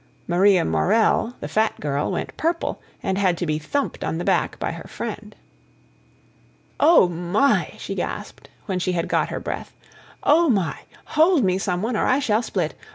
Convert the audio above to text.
Maria Morell, the fat girl, went purple, and had to be thumped on the back by her friend. "Oh, my!" she gasped, when she had got her breath. "Oh, my ... hold me, some one, or I shall split!